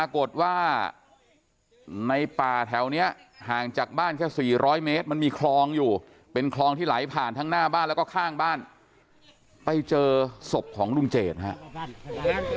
ข้างหน้าบ้านแล้วก็ข้างบ้านไปเจอศพของลุงเชษนะครับ